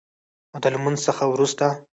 او د لمونځ څخه وروسته